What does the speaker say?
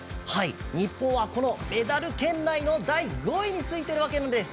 日本はメダル圏内の第５位についているわけなんです。